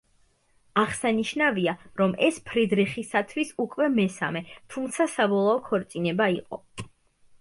აღსანიშნავია, რომ ეს ფრიდრიხისათვის უკვე მესამე, თუმცა საბოლოო ქორწინება იყო.